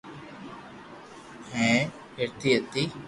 ھيين پھرتي ھتي